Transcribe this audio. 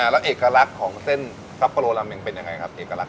แล้วเอกลักษณ์ของเส้นซัปโปโรลาเม้งเป็นยังไงครับ